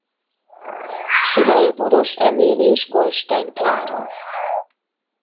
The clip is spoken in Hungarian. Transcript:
Szülei Boros Emil és Goldstein Klára.